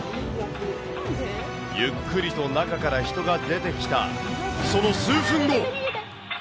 ゆっくりと中から人が出てきた、その数分後。